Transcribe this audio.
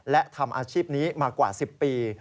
และทำอาชีพนี้มากว่า๑๐ปี